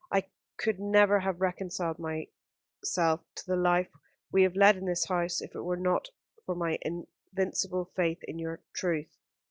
I could never have reconciled myself to the life we have led in this house if it were not for my invincible faith in your truth.